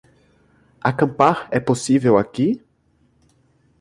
Acampar é possível aqui?